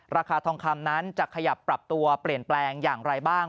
ราคาทองคำนั้นจะขยับปรับตัวเปลี่ยนแปลงอย่างไรบ้าง